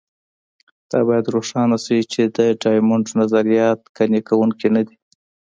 دا باید روښانه شي چې د ډایمونډ نظریات قانع کوونکي نه دي.